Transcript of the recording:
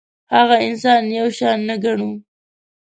هغه انسان یو شان نه ګڼو.